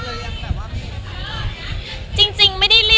มันคิดว่าจะเป็นรายการหรือไม่มี